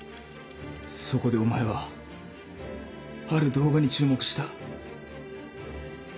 そこでお前はある動画に注目した。